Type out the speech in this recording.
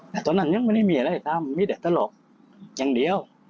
แต่ตอนนั้นยังไม่มีอะไรทำมีเด็ดตะหรอกอย่างเดียว